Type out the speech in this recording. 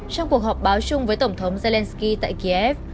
trong cuộc họp báo chung với tổng thống zelensky tại kiev